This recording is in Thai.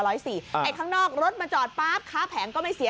ข้างนอกรถมาจอดป๊าบค้าแผงก็ไม่เสีย